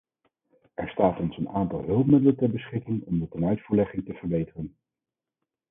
Er staat ons een aantal hulpmiddelen ter beschikking om de tenuitvoerlegging te verbeteren.